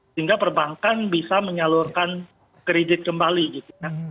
sehingga perbankan bisa menyalurkan kredit kembali gitu ya